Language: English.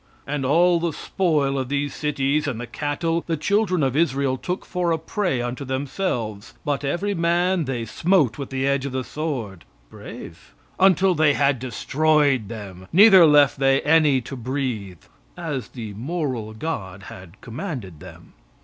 "And all the spoil of these cities and the cattle, the children of Israel took for a prey unto themselves, but every man they smote with the edge of the sword [Brave!] until they had destroyed them, neither left they any to breathe. [As the moral god had commanded them.